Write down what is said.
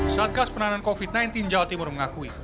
satgas penanganan covid sembilan belas jawa timur mengakui